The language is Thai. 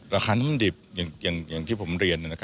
ราคาน้ำมันดิบอย่างที่ผมเรียน